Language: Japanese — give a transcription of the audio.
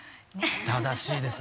正しいですね。